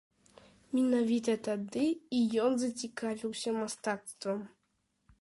Менавіта тады і ён зацікавіўся мастацтвам.